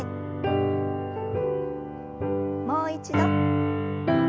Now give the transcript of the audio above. もう一度。